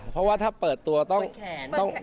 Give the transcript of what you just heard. เพราะว่าถ้าเปิดตัวต้องเห็น